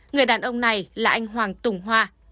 người đàn ông này là anh hoàng tùng hoa